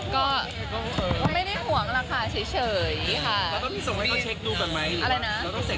ก็ไม่ได้ห่วงนะคะเฉยค่ะ